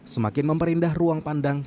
semakin memperindah ruang pandang